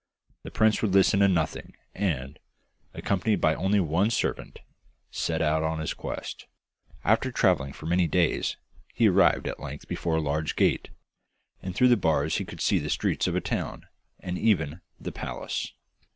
The prince would listen to nothing, and, accompanied by only one servant, set out on his quest. After travelling for many days, he arrived at length before a large gate, and through the bars he could see the streets of a town, and even the palace.